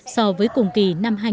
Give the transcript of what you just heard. so với cùng kỳ năm hai nghìn